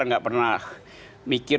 tidak pernah mikir